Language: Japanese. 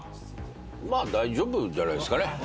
まあ大丈夫じゃないですかね。